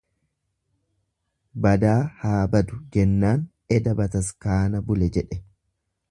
Badaan haa badu jennaan eda bataskaana bule jedhe.